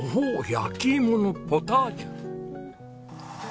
焼き芋のポタージュ！